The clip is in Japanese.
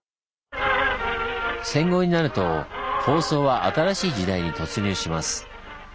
戦後になると放送は新しい時代に突入します。